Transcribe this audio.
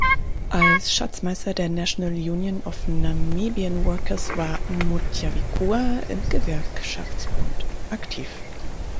Als Schatzmeister der National Union of Namibian Workers war Mutjavikua im Gewerkschaftsbund aktiv.